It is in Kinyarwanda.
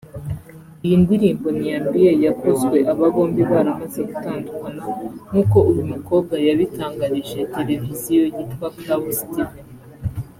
Iyi ndirimbo Niambie yakozwe aba bombi baramaze gutandukana nk’uko uyu mukobwa yabitangarije televiziyo yitwa Clouds Tv